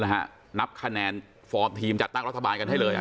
นับคะแนนฟอร์มทีมจัดตั้งรัฐบาลกันให้เลย